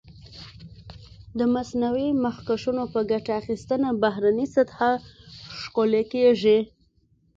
د مصنوعي مخکشونو په ګټه اخیستنه بهرنۍ سطحه ښکلې کېږي.